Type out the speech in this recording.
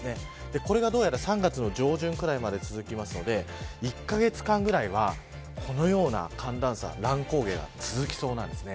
これが、どうやら３月の上旬ぐらいまで続くので１カ月間ぐらいはこのような寒暖差乱高下が続きそうなんです。